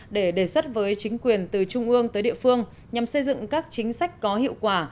để đề xuất với chính quyền từ trung ương tới địa phương nhằm xây dựng các chính sách có hiệu quả